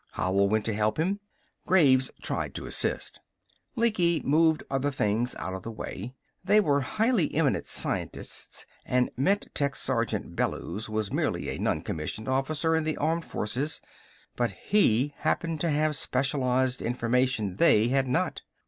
Howell went to help him. Graves tried to assist. Lecky moved other things out of the way. They were highly eminent scientists, and Metech Sergeant Bellews was merely a non commissioned officer in the armed forces. But he happened to have specialized information they had not.